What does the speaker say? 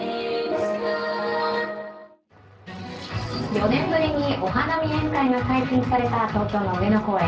４年ぶりにお花見宴会が解禁された東京の上野公園。